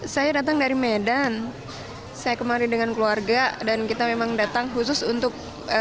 saya datang dari medan saya kemarin dengan keluarga dan kita memang datang khusus untuk